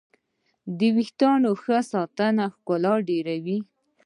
د ویښتانو ښه ساتنه ښکلا ډېروي.